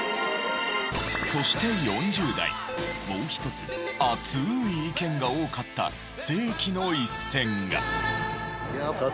そして４０代もう一つ熱い意見が多かった世紀の一戦が。